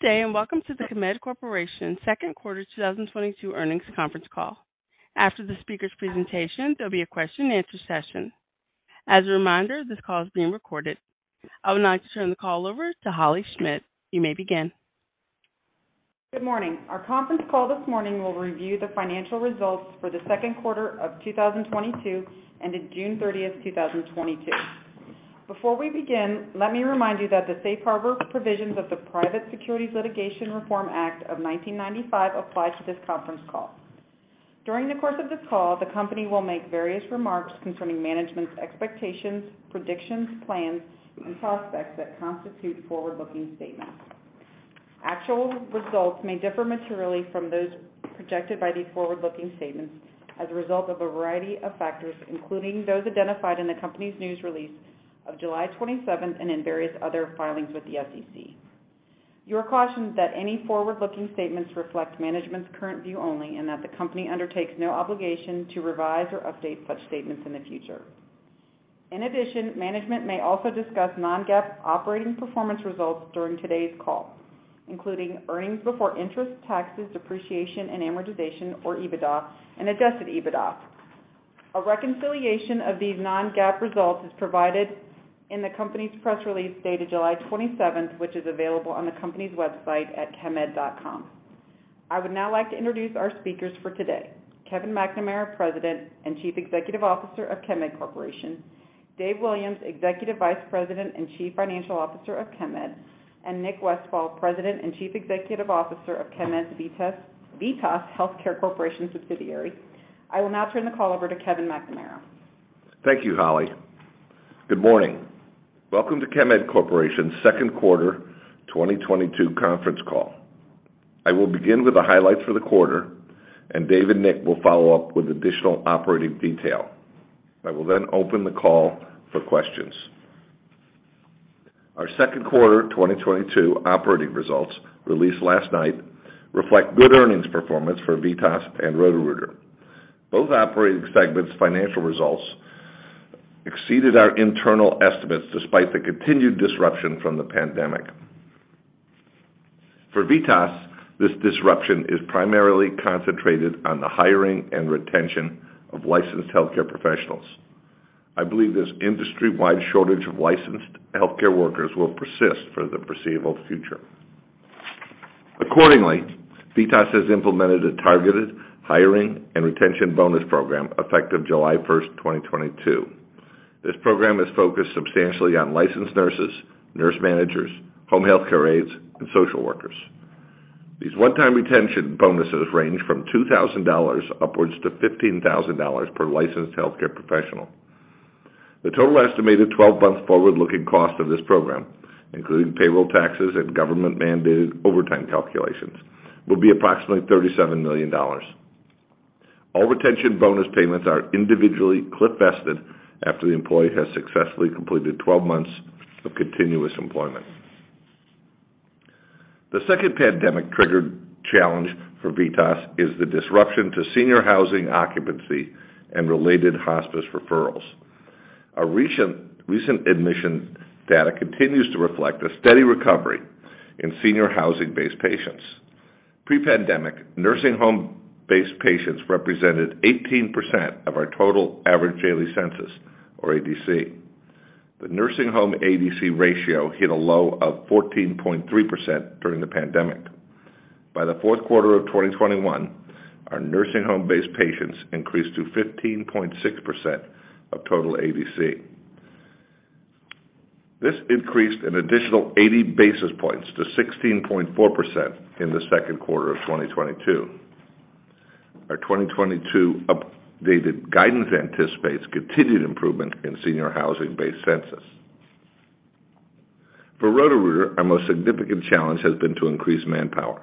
Good day, and welcome to the Chemed Corporation second quarter 2022 earnings conference call. After the speaker's presentation, there'll be a question and answer session. As a reminder, this call is being recorded. I would now like to turn the call over to Holley Schmidt. You may begin. Good morning. Our conference call this morning will review the financial results for the second quarter of 2022 ended June 30, 2022. Before we begin, let me remind you that the safe harbor provisions of the Private Securities Litigation Reform Act of 1995 apply to this conference call. During the course of this call, the company will make various remarks concerning management's expectations, predictions, plans, and prospects that constitute forward-looking statements. Actual results may differ materially from those projected by these forward-looking statements as a result of a variety of factors, including those identified in the company's news release of July 27 and in various other filings with the SEC. You are cautioned that any forward-looking statements reflect management's current view only and that the company undertakes no obligation to revise or update such statements in the future. In addition, management may also discuss non-GAAP operating performance results during today's call, including earnings before interest, taxes, depreciation, and amortization, or EBITDA and adjusted EBITDA. A reconciliation of these non-GAAP results is provided in the company's press release dated July 27, which is available on the company's website at chemed.com. I would now like to introduce our speakers for today, Kevin McNamara, President and Chief Executive Officer of Chemed Corporation, Dave Williams, Executive Vice President and Chief Financial Officer of Chemed, and Nick Westfall, President and Chief Executive Officer of VITAS Healthcare Corporation subsidiary. I will now turn the call over to Kevin McNamara. Thank you, Holly. Good morning. Welcome to Chemed Corporation's second quarter 2022 conference call. I will begin with the highlights for the quarter, and Dave and Nick will follow up with additional operating detail. I will then open the call for questions. Our second quarter 2022 operating results released last night reflect good earnings performance for VITAS and Roto-Rooter. Both operating segments' financial results exceeded our internal estimates despite the continued disruption from the pandemic. For VITAS, this disruption is primarily concentrated on the hiring and retention of licensed healthcare professionals. I believe this industry-wide shortage of licensed healthcare workers will persist for the foreseeable future. Accordingly, VITAS has implemented a targeted hiring and retention bonus program effective July 1st, 2022. This program is focused substantially on licensed nurses, nurse managers, home healthcare aides, and social workers. These one-time retention bonuses range from $2,000 upwards to $15,000 per licensed healthcare professional. The total estimated 12-month forward-looking cost of this program, including payroll taxes and government mandated overtime calculations, will be approximately $37 million. All retention bonus payments are individually cliff vested after the employee has successfully completed 12 months of continuous employment. The second pandemic triggered challenge for VITAS is the disruption to senior housing occupancy and related hospice referrals. A recent admission data continues to reflect a steady recovery in senior housing-based patients. Pre-pandemic, nursing home-based patients represented 18% of our total average daily census or ADC. The nursing home ADC ratio hit a low of 14.3% during the pandemic. By the fourth quarter of 2021, our nursing home-based patients increased to 15.6% of total ADC. This increased an additional 80 basis points to 16.4% in the second quarter of 2022. Our 2022 updated guidance anticipates continued improvement in senior housing-based census. For Roto-Rooter, our most significant challenge has been to increase manpower.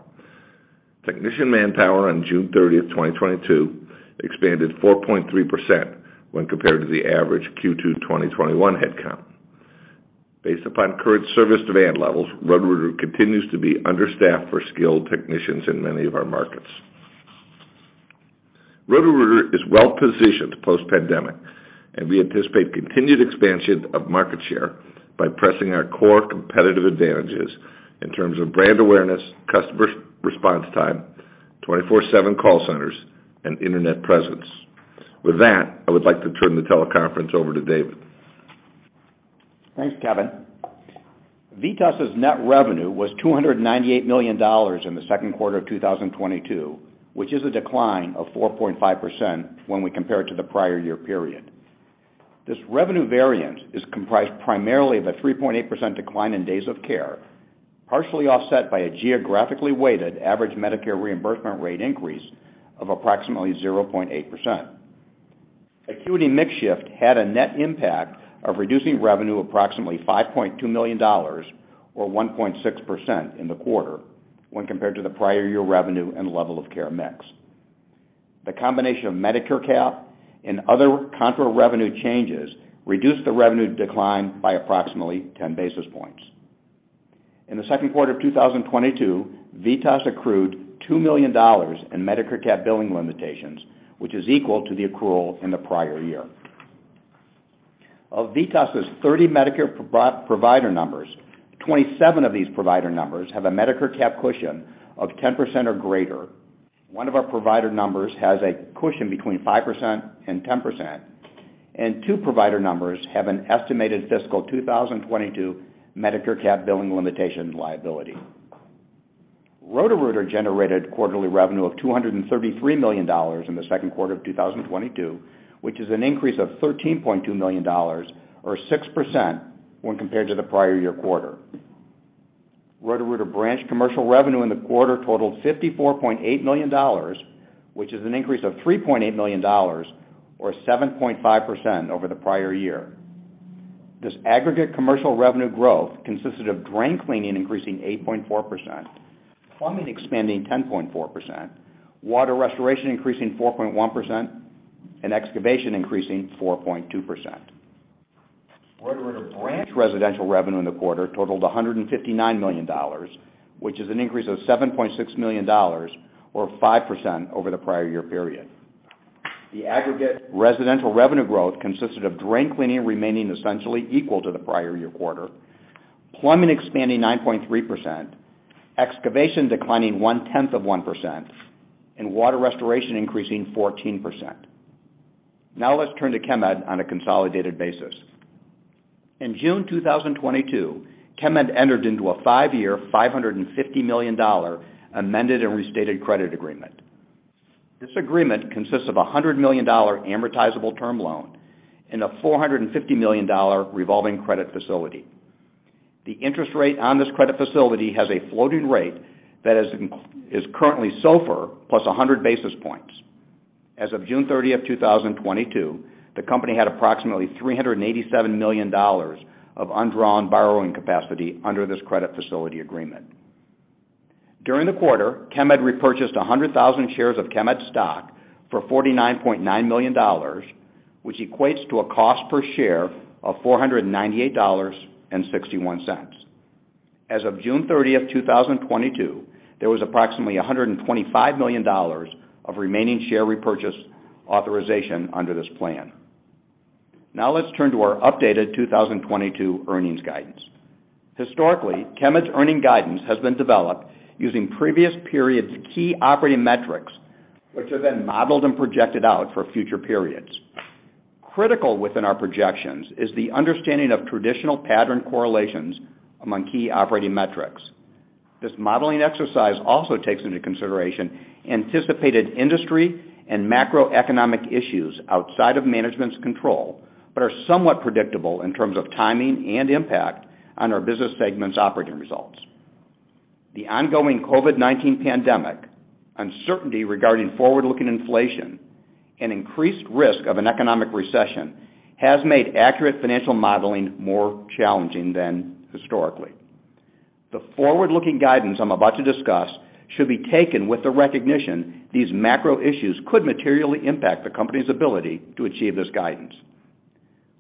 Technician manpower on June 30, 2022 expanded 4.3% when compared to the average Q2 2021 headcount. Based upon current service demand levels, Roto-Rooter continues to be understaffed for skilled technicians in many of our markets. Roto-Rooter is well-positioned post-pandemic, and we anticipate continued expansion of market share by pressing our core competitive advantages in terms of brand awareness, customer response time, 24/7 call centers, and internet presence. With that, I would like to turn the teleconference over to Dave. Thanks, Kevin. VITAS's net revenue was $298 million in the second quarter of 2022, which is a decline of 4.5% when we compare it to the prior year period. This revenue variance is comprised primarily of a 3.8% decline in days of care, partially offset by a geographically weighted average Medicare reimbursement rate increase of approximately 0.8%. Acuity mix shift had a net impact of reducing revenue approximately $5.2 million or 1.6% in the quarter when compared to the prior year revenue and level of care mix. The combination of Medicare cap and other contra revenue changes reduced the revenue decline by approximately 10 basis points. In the second quarter of 2022, VITAS accrued $2 million in Medicare cap billing limitations, which is equal to the accrual in the prior year. Of VITAS's 30 Medicare per-provider numbers, 27 of these provider numbers have a Medicare cap cushion of 10% or greater. One of our provider numbers has a cushion between 5% and 10%, and two provider numbers have an estimated fiscal 2022 Medicare Cap billing limitation liability. Roto-Rooter generated quarterly revenue of $233 million in the second quarter of 2022, which is an increase of $13.2 million or 6% when compared to the prior year quarter. Roto-Rooter branch commercial revenue in the quarter totaled $54.8 million, which is an increase of $3.8 million or 7.5% over the prior year. This aggregate commercial revenue growth consisted of drain cleaning increasing 8.4%, plumbing expanding 10.4%, water restoration increasing 4.1%, and excavation increasing 4.2%. Roto-Rooter branch residential revenue in the quarter totaled $159 million, which is an increase of $7.6 million or 5% over the prior year period. The aggregate residential revenue growth consisted of drain cleaning remaining essentially equal to the prior year quarter, plumbing expanding 9.3%, excavation declining 0.1%, and water restoration increasing 14%. Now let's turn to Chemed on a consolidated basis. In June 2022, Chemed entered into a five-year, $550 million amended and restated credit agreement. This agreement consists of a $100 million amortizable term loan and a $450 million revolving credit facility. The interest rate on this credit facility has a floating rate that is currently SOFR +100 basis points. As of June 30, 2022, the company had approximately $387 million of undrawn borrowing capacity under this credit facility agreement. During the quarter, Chemed repurchased 100,000 shares of Chemed's stock for $49.9 million, which equates to a cost per share of $498.61. As of June 30, 2022, there was approximately $125 million of remaining share repurchase authorization under this plan. Now let's turn to our updated 2022 earnings guidance. Historically, Chemed's earnings guidance has been developed using previous periods' key operating metrics, which are then modeled and projected out for future periods. Critical within our projections is the understanding of traditional pattern correlations among key operating metrics. This modeling exercise also takes into consideration anticipated industry and macroeconomic issues outside of management's control, but are somewhat predictable in terms of timing and impact on our business segment's operating results. The ongoing COVID-19 pandemic, uncertainty regarding forward-looking inflation, and increased risk of an economic recession has made accurate financial modeling more challenging than historically. The forward-looking guidance I'm about to discuss should be taken with the recognition these macro issues could materially impact the company's ability to achieve this guidance.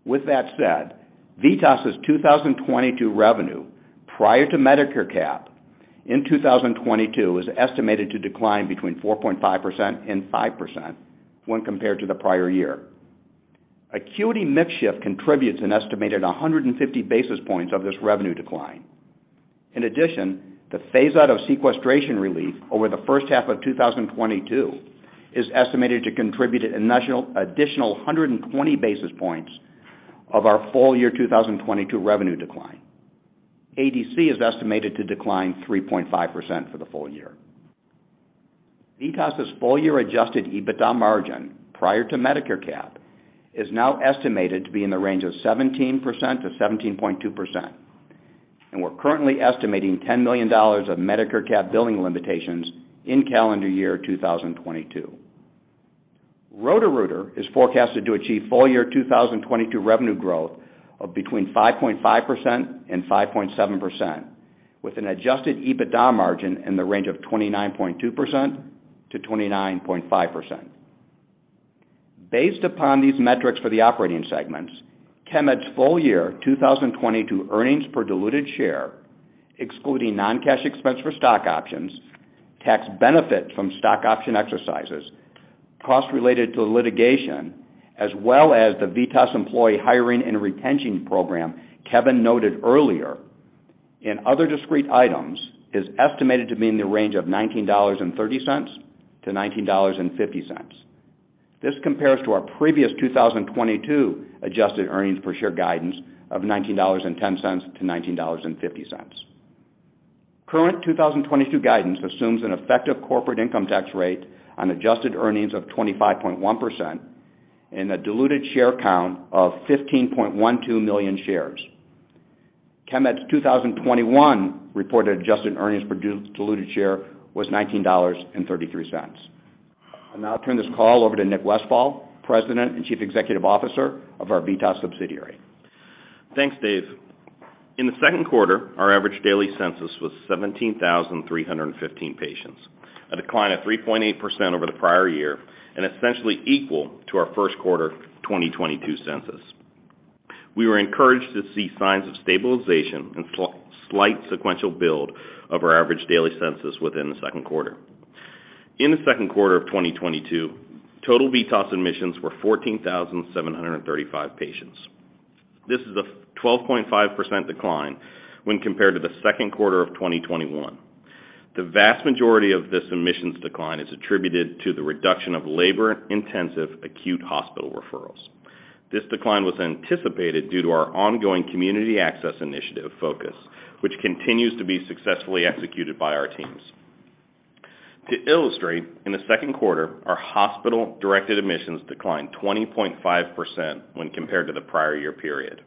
With that said, VITAS's 2022 revenue prior to Medicare Cap in 2022 is estimated to decline between 4.5% and 5% when compared to the prior year. Acuity mix shift contributes an estimated 150 basis points of this revenue decline. In addition, the phase out of sequestration relief over the first half of 2022 is estimated to contribute an additional 120 basis points of our full year 2022 revenue decline. ADC is estimated to decline 3.5% for the full year. VITAS's full year adjusted EBITDA margin prior to Medicare Cap is now estimated to be in the range of 17%-17.2%, and we're currently estimating $10 million of Medicare Cap billing limitations in calendar year 2022. Roto-Rooter is forecasted to achieve full year 2022 revenue growth of between 5.5% and 5.7%, with an adjusted EBITDA margin in the range of 29.2%-29.5%. Based upon these metrics for the operating segments, Chemed's full-year 2022 earnings per diluted share, excluding non-cash expense for stock options, tax benefit from stock option exercises, costs related to the litigation, as well as the VITAS employee hiring and retention program Kevin noted earlier, and other discrete items, is estimated to be in the range of $19.30-$19.50. This compares to our previous 2022 adjusted earnings per share guidance of $19.10-$19.50. Current 2022 guidance assumes an effective corporate income tax rate on adjusted earnings of 25.1% and a diluted share count of 15.12 million shares. Chemed's 2021 reported adjusted earnings per diluted share was $19.33. I'll now turn this call over to Nick Westfall, President and Chief Executive Officer of our VITAS subsidiary. Thanks, Dave. In the second quarter, our average daily census was 17,315 patients, a decline of 3.8% over the prior year and essentially equal to our first quarter 2022 census. We were encouraged to see signs of stabilization and slight sequential build of our average daily census within the second quarter. In the second quarter of 2022, total VITAS admissions were 14,735 patients. This is a 12.5% decline when compared to the second quarter of 2021. The vast majority of this admissions decline is attributed to the reduction of labor-intensive acute hospital referrals. This decline was anticipated due to our ongoing Community Access Initiative focus, which continues to be successfully executed by our teams. To illustrate, in the second quarter, our hospital-directed admissions declined 20.5% when compared to the prior year period.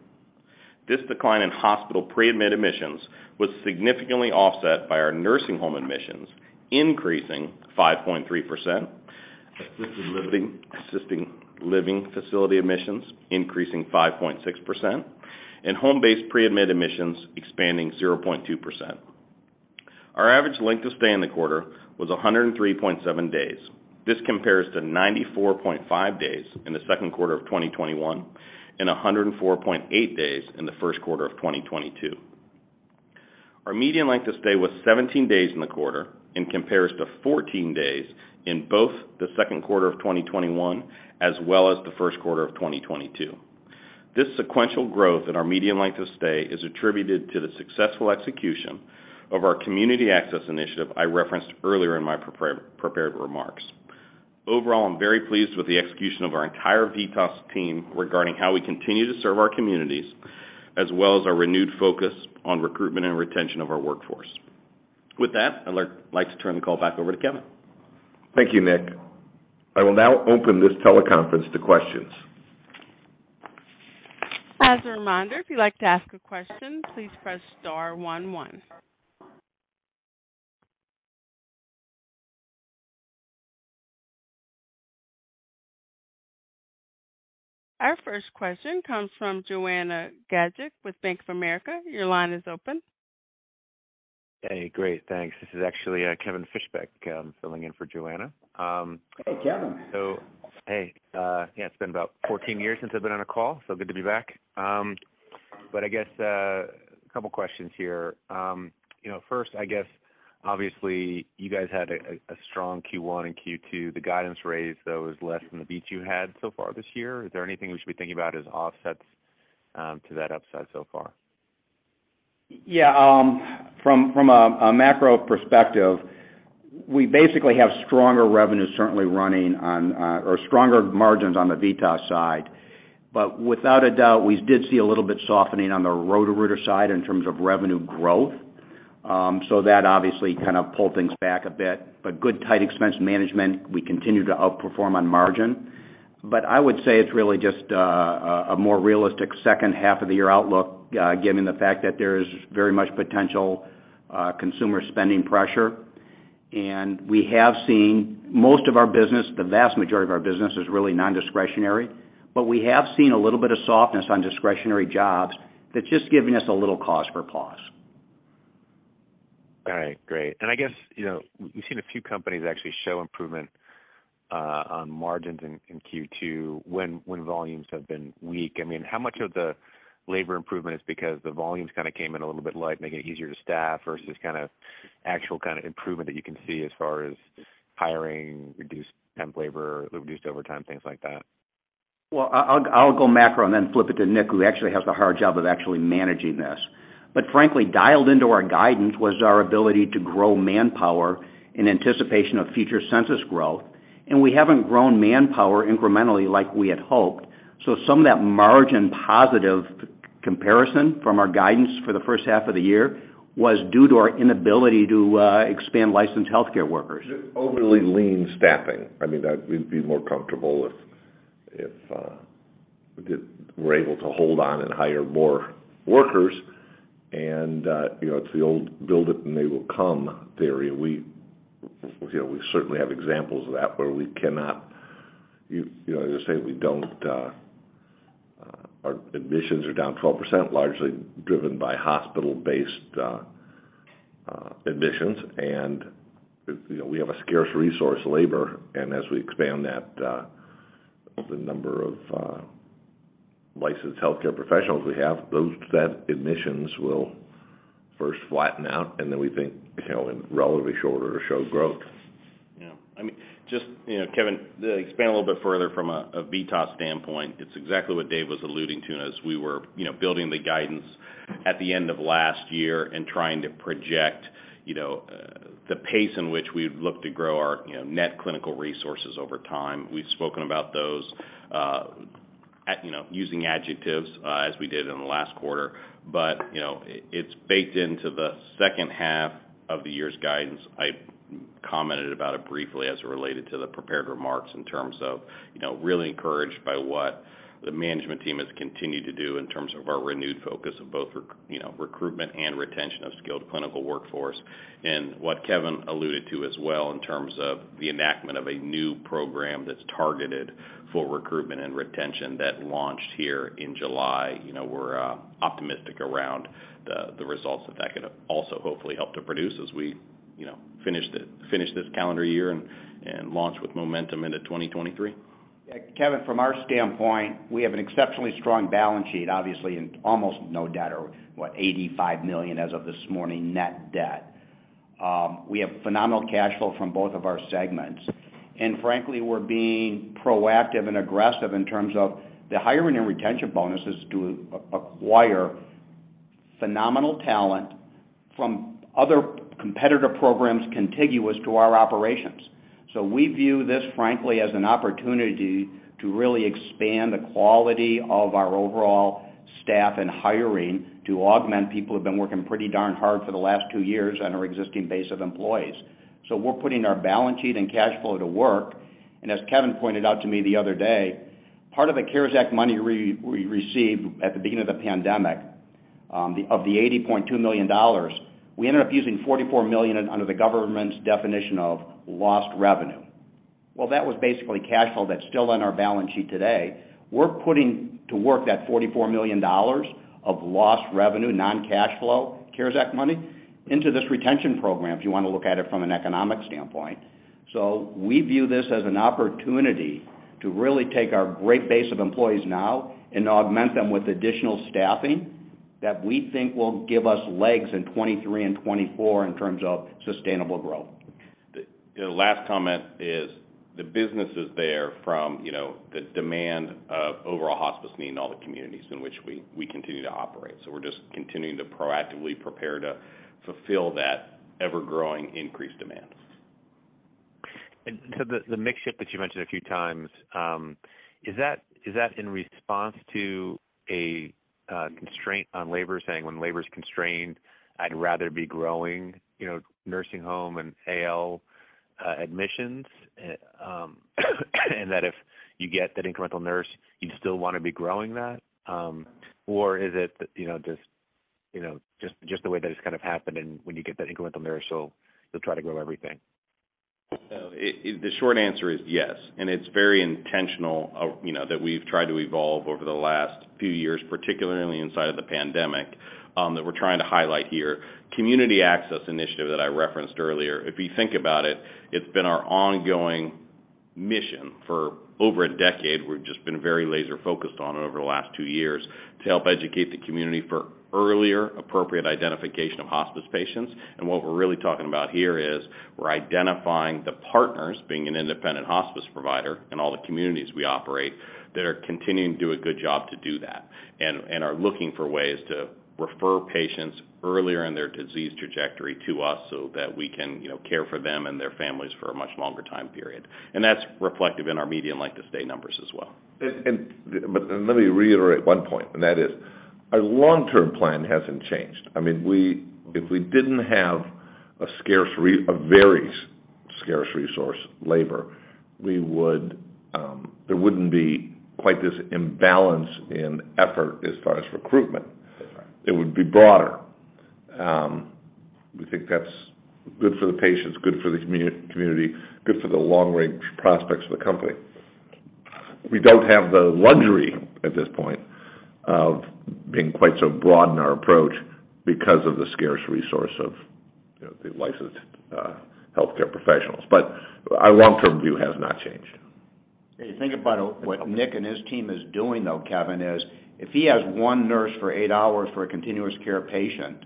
This decline in hospital pre-admit admissions was significantly offset by our nursing home admissions, increasing 5.3%, assisted living facility admissions increasing 5.6%, and home-based pre-admit admissions expanding 0.2%. Our average length of stay in the quarter was 103.7 days. This compares to 94.5 days in the second quarter of 2021 and 104.8 days in the first quarter of 2022. Our median length of stay was 17 days in the quarter and compares to 14 days in both the second quarter of 2021 as well as the first quarter of 2022. This sequential growth in our median length of stay is attributed to the successful execution of our Community Access Initiative I referenced earlier in my prepared remarks. Overall, I'm very pleased with the execution of our entire VITAS team regarding how we continue to serve our communities, as well as our renewed focus on recruitment and retention of our workforce. With that, I'd like to turn the call back over to Kevin. Thank you, Nick. I will now open this teleconference to questions. As a reminder, if you'd like to ask a question, please press star one one. Our first question comes from Joanna Gajuk with Bank of America. Your line is open. Hey, great. Thanks. This is actually Kevin Fischbeck, filling in for Joanna. Hey, Kevin. Hey, yeah, it's been about 14 years since I've been on a call, so good to be back. I guess, a couple questions here. You know, first, I guess, obviously, you guys had a strong Q1 and Q2. The guidance raise, though, is less than the beats you had so far this year. Is there anything we should be thinking about as offsets to that upside so far? Yeah, from a macro perspective, we basically have stronger revenue or stronger margins on the VITAS side. Without a doubt, we did see a little bit softening on the Roto-Rooter side in terms of revenue growth. That obviously kind of pulled things back a bit. Good, tight expense management, we continue to outperform on margin. I would say it's really just a more realistic second half of the year outlook, given the fact that there is very much potential consumer spending pressure. We have seen most of our business. The vast majority of our business is really non-discretionary, but we have seen a little bit of softness on discretionary jobs that's just giving us a little cause for pause. All right. Great. I guess, you know, we've seen a few companies actually show improvement on margins in Q2 when volumes have been weak. I mean, how much of the labor improvement is because the volumes kinda came in a little bit light, making it easier to staff versus just kinda actual kinda improvement that you can see as far as hiring, reduced temp labor, reduced overtime, things like that? Well, I'll go macro and then flip it to Nick, who actually has the hard job of actually managing this. Frankly, dialed into our guidance was our ability to grow manpower in anticipation of future census growth. We haven't grown manpower incrementally like we had hoped. Some of that margin positive comparison from our guidance for the first half of the year was due to our inability to expand licensed healthcare workers. Overly lean staffing. I mean, we'd be more comfortable if we're able to hold on and hire more workers. You know, it's the old build it and they will come theory. You know, we certainly have examples of that, but we cannot. You know, as I say, we don't, our admissions are down 12%, largely driven by hospital-based admissions. You know, we have a scarce resource labor. As we expand that, the number of licensed healthcare professionals we have, that admissions will first flatten out, and then we think, you know, in relatively short order to show growth. Yeah. I mean, just, you know, Kevin, to expand a little bit further from a VITAS standpoint, it's exactly what Dave was alluding to, and as we were, you know, building the guidance at the end of last year and trying to project, you know, the pace in which we'd look to grow our, you know, net clinical resources over time. We've spoken about those, you know, using adjectives, as we did in the last quarter. But, you know, it's baked into the second half of the year's guidance. I commented about it briefly as it related to the prepared remarks in terms of, you know, really encouraged by what the management team has continued to do in terms of our renewed focus of both recruitment and retention of skilled clinical workforce. What Kevin alluded to as well in terms of the enactment of a new program that's targeted for recruitment and retention that launched here in July. You know, we're optimistic around the results that could also hopefully help to produce as we, you know, finish this calendar year and launch with momentum into 2023. Yeah, Kevin, from our standpoint, we have an exceptionally strong balance sheet, obviously, and almost no debt or, what, $85 million as of this morning, net debt. We have phenomenal cash flow from both of our segments. Frankly, we're being proactive and aggressive in terms of the hiring and retention bonuses to acquire phenomenal talent from other competitive programs contiguous to our operations. We view this, frankly, as an opportunity to really expand the quality of our overall staff and hiring to augment people who've been working pretty darn hard for the last two years on our existing base of employees. We're putting our balance sheet and cash flow to work. As Kevin pointed out to me the other day, part of the CARES Act money we received at the beginning of the pandemic, of the $80.2 million, we ended up using $44 million under the government's definition of lost revenue. Well, that was basically cash flow that's still on our balance sheet today. We're putting to work that $44 million of lost revenue, non-cash flow, CARES Act money into this retention program, if you wanna look at it from an economic standpoint. We view this as an opportunity to really take our great base of employees now and augment them with additional staffing that we think will give us legs in 2023 and 2024 in terms of sustainable growth. The, you know, last comment is the business is there from, you know, the demand of overall hospice need in all the communities in which we continue to operate. We're just continuing to proactively prepare to fulfill that ever-growing increased demand. The mix shift that you mentioned a few times, is that in response to a constraint on labor, saying when labor's constrained, I'd rather be growing, you know, nursing home and AL admissions? That if you get that incremental nurse, you'd still wanna be growing that? Or is it, you know, just, you know, just the way that it's kind of happened, and when you get that incremental nurse, so you'll try to grow everything? The short answer is yes, and it's very intentional, you know, that we've tried to evolve over the last few years, particularly inside of the pandemic, that we're trying to highlight here. Community Access Initiative that I referenced earlier, if you think about it's been our ongoing mission for over a decade. We've just been very laser-focused on it over the last two years to help educate the community for earlier appropriate identification of hospice patients. What we're really talking about here is we're identifying the partners, being an independent hospice provider in all the communities we operate, that are continuing to do a good job to do that, and are looking for ways to refer patients earlier in their disease trajectory to us so that we can, you know, care for them and their families for a much longer time period. That's reflective in our median length of stay numbers as well. Let me reiterate one point, and that is our long-term plan hasn't changed. I mean, if we didn't have a very scarce resource, labor, we would, there wouldn't be quite this imbalance in effort as far as recruitment. That's right. It would be broader. We think that's good for the patients, good for the community, good for the long-range prospects of the company. We don't have the luxury at this point of being quite so broad in our approach because of the scarce resource of, you know, the licensed healthcare professionals. Our long-term view has not changed. If you think about what Nick and his team is doing, though, Kevin, is if he has one nurse for eight hours for a continuous care patient,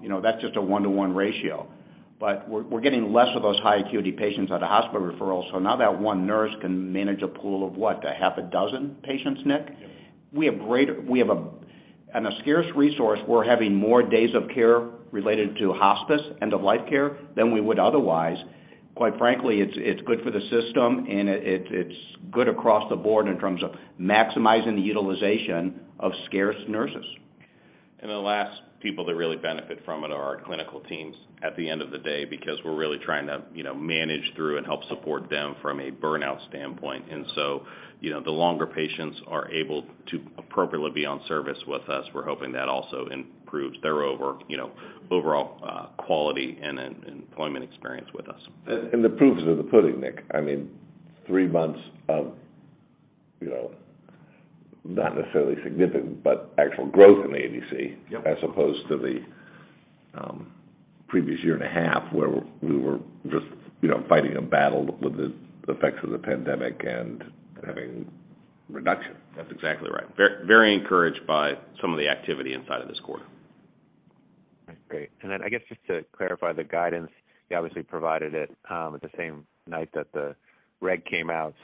you know, that's just a one-to-one ratio. We're getting less of those high acuity patients out of hospital referrals, so now that one nurse can manage a pool of what? A half a dozen patients, Nick? Yep. We have a scarce resource. We're having more days of care related to hospice, end of life care, than we would otherwise. Quite frankly, it's good for the system, and it's good across the board in terms of maximizing the utilization of scarce nurses. The last people that really benefit from it are our clinical teams at the end of the day because we're really trying to, you know, manage through and help support them from a burnout standpoint. You know, the longer patients are able to appropriately be on service with us, we're hoping that also improves their overall, you know, quality and employment experience with us. The proof is in the pudding, Nick. I mean, three months of, you know, not necessarily significant, but actual growth in the ADC- Yep As opposed to the previous year and a half, where we were just, you know, fighting a battle with the effects of the pandemic and having reduction. That's exactly right. Very, very encouraged by some of the activity inside of this quarter. All right, great. I guess just to clarify the guidance, you obviously provided it at the same night that the reg came out.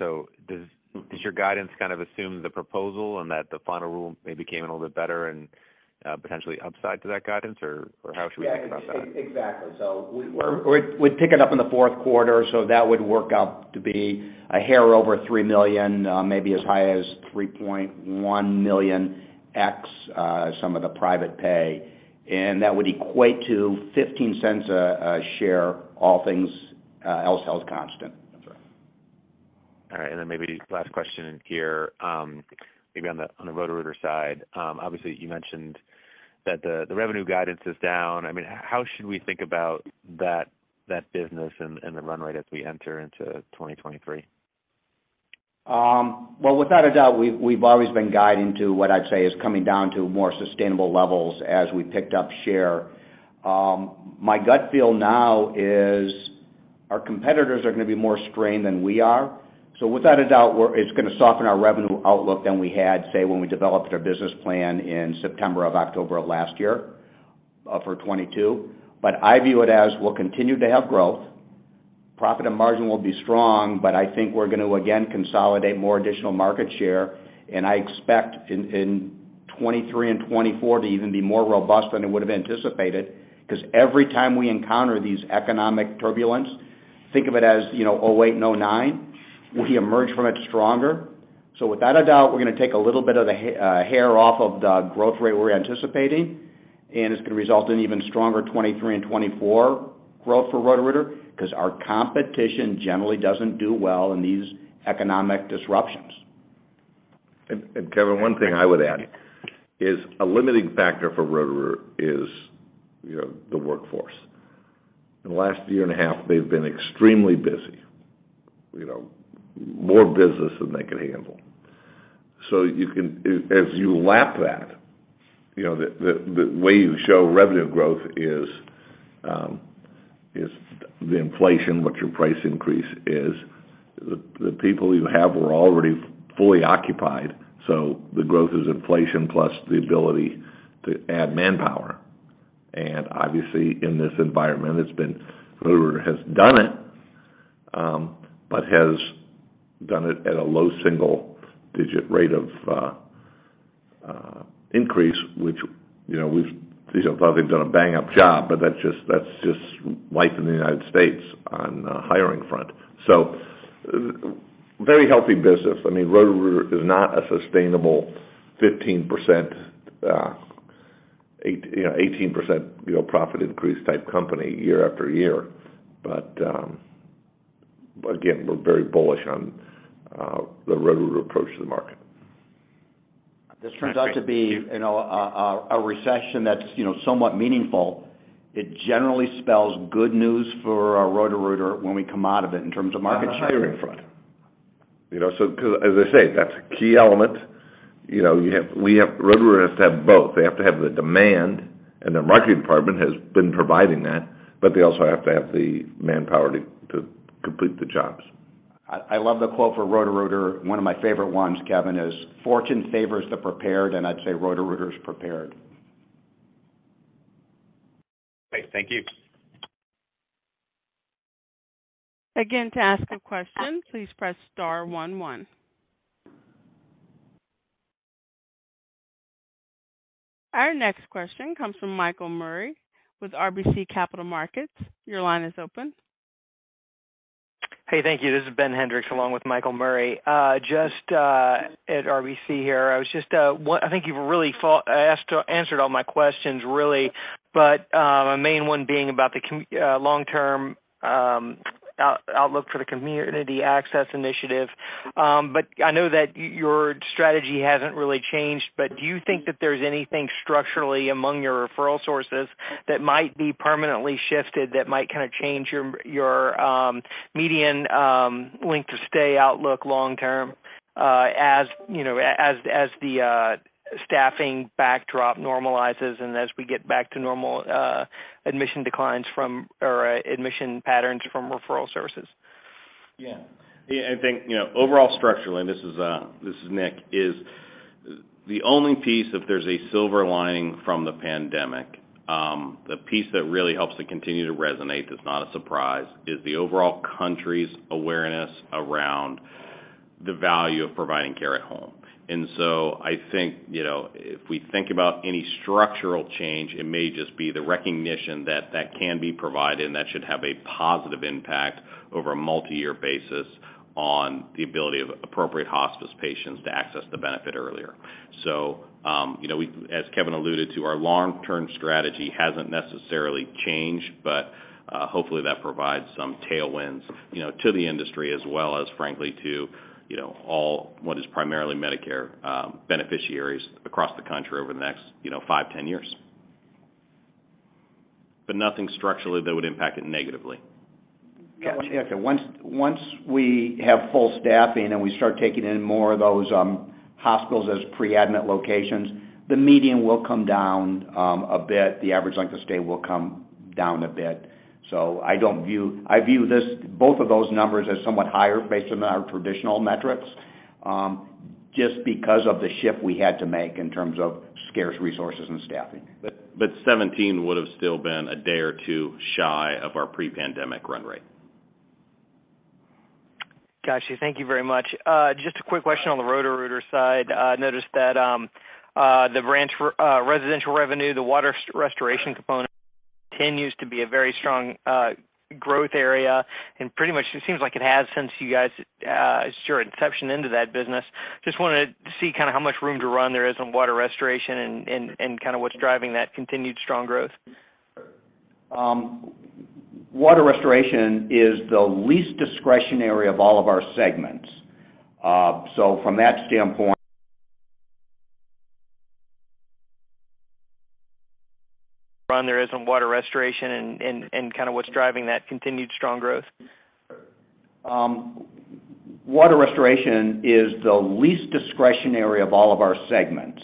Does your guidance kind of assume the proposal and that the final rule maybe came in a little bit better and potential upside to that guidance? How should we think about that? Yeah. Exactly. We pick it up in the fourth quarter, so that would work out to be a hair over $3 million, maybe as high as $3.1 million ex some of the private pay. That would equate to $0.15 a share, all things else held constant. That's right. All right. Maybe last question here, maybe on the Roto-Rooter side. Obviously, you mentioned that the revenue guidance is down. I mean, how should we think about that business and the run rate as we enter into 2023? Well, without a doubt, we've always been guiding to what I'd say is coming down to more sustainable levels as we picked up share. My gut feel now is our competitors are gonna be more strained than we are. Without a doubt, it's gonna soften our revenue outlook than we had, say, when we developed our business plan in September or October of last year, for 2022. I view it as we'll continue to have growth. Profit and margin will be strong, but I think we're gonna again consolidate more additional market share, and I expect in 2023 and 2024 to even be more robust than it would have anticipated. Because every time we encounter these economic turbulence, think of it as, you know, 2008 and 2009, we emerge from it stronger. Without a doubt, we're gonna take a little bit of the hair off of the growth rate we're anticipating, and it's gonna result in even stronger 2023 and 2024 growth for Roto-Rooter, because our competition generally doesn't do well in these economic disruptions. Kevin, one thing I would add is a limiting factor for Roto-Rooter, you know, the workforce. In the last year and a half, they've been extremely busy, you know, more business than they could handle. As you lap that, you know, the way you show revenue growth is the inflation, what your price increase is. The people you have are already fully occupied, so the growth is inflation plus the ability to add manpower. Obviously, in this environment, Roto-Rooter has done it at a low single-digit rate of increase, which, you know, these are probably done a bang-up job, but that's just life in the United States on the hiring front. Very healthy business. I mean, Roto-Rooter is not a sustainable 15%, you know, 18%, you know, profit increase type company year after year. Again, we're very bullish on the Roto-Rooter approach to the market. This turns out to be, you know, a recession that's, you know, somewhat meaningful. It generally spells good news for Roto-Rooter when we come out of it in terms of market share. On the hiring front. You know, as I say, that's a key element. You know, Roto-Rooter has to have both. They have to have the demand, and their marketing department has been providing that, but they also have to have the manpower to complete the jobs. I love the quote for Roto-Rooter. One of my favorite ones, Kevin, is fortune favors the prepared, and I'd say Roto-Rooter is prepared. Great. Thank you. Again, to ask a question, please press star one one. Our next question comes from Michael Murray with RBC Capital Markets. Your line is open. Hey, thank you. This is Ben Hendrix, along with Michael Murray. Just at RBC here. I was just I think you've really answered all my questions really, but my main one being about the long-term outlook for the Community Access Initiative. I know that your strategy hasn't really changed, but do you think that there's anything structurally among your referral sources that might be permanently shifted that might kinda change your median length to stay outlook long term, as you know, as the staffing backdrop normalizes and as we get back to normal, admission declines from or admission patterns from referral services? Yeah. Yeah, I think, you know, overall structurally, and this is Nick, is the only piece, if there's a silver lining from the pandemic, the piece that really helps to continue to resonate, that's not a surprise, is the overall country's awareness around the value of providing care at home. I think, you know, if we think about any structural change, it may just be the recognition that that can be provided and that should have a positive impact over a multi-year basis on the ability of appropriate hospice patients to access the benefit earlier. You know, we as Kevin alluded to, our long-term strategy hasn't necessarily changed, but hopefully, that provides some tailwinds, you know, to the industry as well as frankly to, you know, all what is primarily Medicare beneficiaries across the country over the next, you know, five, 10 years. Nothing structurally that would impact it negatively. Yeah. Once we have full staffing and we start taking in more of those hospitals as pre-admit locations, the median will come down a bit. The average length of stay will come down a bit. I view this, both of those numbers, as somewhat higher based on our traditional metrics, just because of the shift we had to make in terms of scarce resources and staffing. 17 would have still been a day or two shy of our pre-pandemic run rate. Got you. Thank you very much. Just a quick question on the Roto-Rooter side. I noticed that the branch residential revenue, the water restoration component continues to be a very strong growth area, and pretty much it seems like it has since you guys since your inception into that business. Just wanted to see kinda how much room to run there is on water restoration and kinda what's driving that continued strong growth. Water restoration is the least discretionary of all of our segments. From that standpoint. Roto-Rooter is on water restoration and kinda what's driving that continued strong growth. Water restoration is the least discretionary of all of our segments.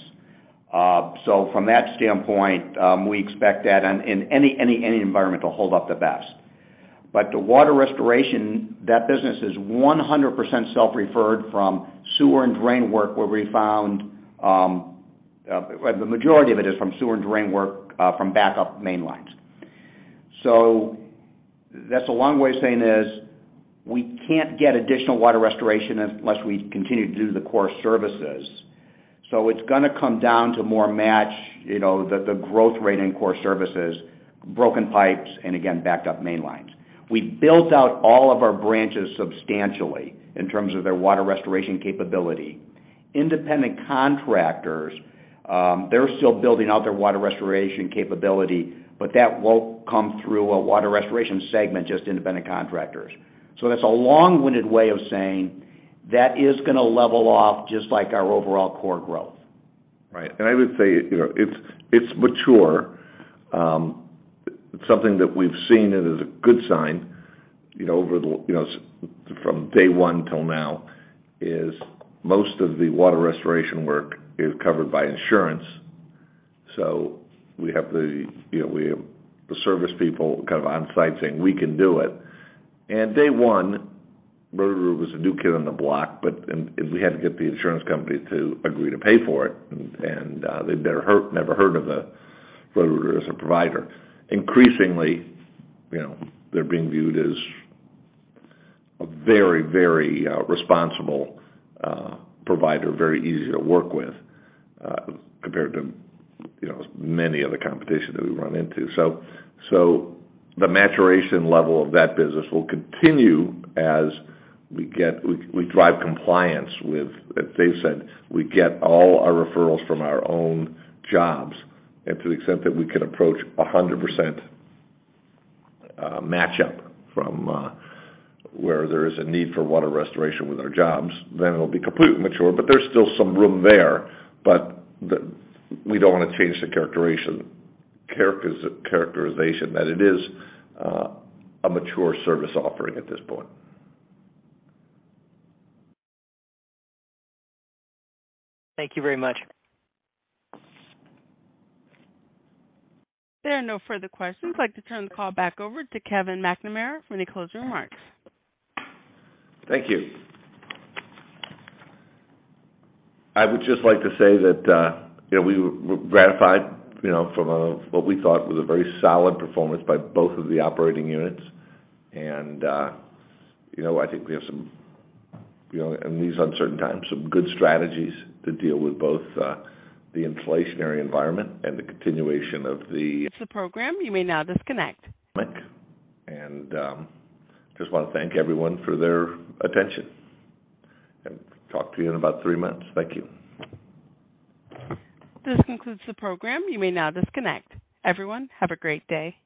From that standpoint, we expect that in any environment will hold up the best. The water restoration, that business is 100% self-referred from sewer and drain work, the majority of it is from sewer and drain work, from backup main lines. That's a long way of saying this, we can't get additional water restoration unless we continue to do the core services. It's gonna come down to more or less match, you know, the growth rate in core services, broken pipes, and again, backed up main lines. We built out all of our branches substantially in terms of their water restoration capability. Independent contractors, they're still building out their water restoration capability, but that won't come through a water restoration segment, just independent contractors. That's a long-winded way of saying that is gonna level off just like our overall core growth. Right. I would say, you know, it's mature. Something that we've seen and is a good sign, you know, from day one till now is most of the water restoration work is covered by insurance. We have the service people kind of on-site saying, "We can do it." Day one, Roto-Rooter was a new kid on the block, but we had to get the insurance company to agree to pay for it. They've never heard of Roto-Rooter as a provider. Increasingly, you know, they're being viewed as a very responsible provider, very easy to work with, compared to, you know, many of the competition that we run into. The maturation level of that business will continue as we drive compliance with, as Dave said, we get all our referrals from our own jobs and to the extent that we can approach 100% match-up from where there is a need for water restoration with our jobs, then it'll be completely mature, but there's still some room there. We don't wanna change the characterization that it is a mature service offering at this point. Thank you very much. There are no further questions. I'd like to turn the call back over to Kevin McNamara for any closing remarks. Thank you. I would just like to say that, you know, we were gratified, you know, from what we thought was a very solid performance by both of the operating units. I think we have some, you know, in these uncertain times, some good strategies to deal with both, the inflationary environment and the continuation of the The program. You may now disconnect. Just wanna thank everyone for their attention and talk to you in about three months. Thank you. This concludes the program. You may now disconnect. Everyone, have a great day.